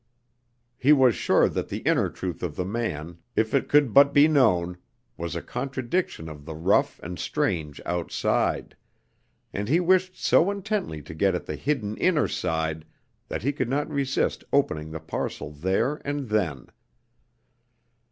He was sure that the inner truth of the man, if it could but be known, was a contradiction of the rough and strange outside; and he wished so intensely to get at the hidden inner side that he could not resist opening the parcel there and then.